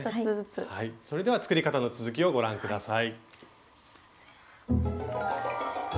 それでは作り方の続きをご覧ください。